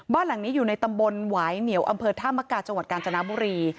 บ้านหลังนี้อยู่ในตำบลหวายเหนียวอำเภอธามกาจังหวัดกาญจนบุรี